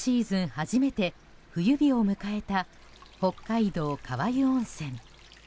初めて冬日を迎えた北海道、川湯温泉。